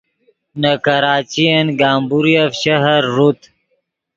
نے کراچین گمبوریف شہر ݱوت